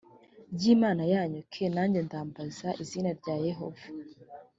ry imana yanyu k nanjye ndambaza izina rya yehova